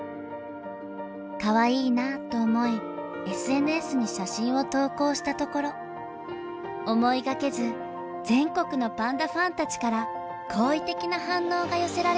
かわいいなと思いＳＮＳに写真を投降したところ思いがけず全国のパンダファンたちから好意的な反応が寄せられたんです。